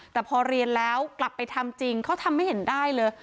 แต่พอเรียนแล้วกลับไปทำจริงเขาทำให้เห็นได้เลย